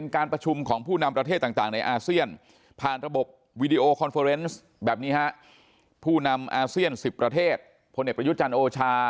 การประชุมของผู้นำประเทศต่างในอาเซียนผ่านระบบวีดีโอคอนเฟอร์เนสแบบนี้ฮะผู้นำอาเซียน๑๐ประเทศพลเอกประยุจันทร์โอชา